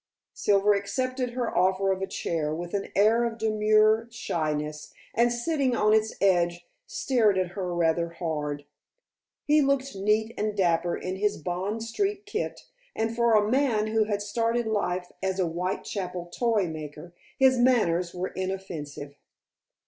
Silver accepted her offer of a chair with an air of demure shyness, and sitting on its edge stared at her rather hard. He looked neat and dapper in his Bond Street kit, and for a man who had started life as a Whitechapel toymaker, his manners were inoffensive.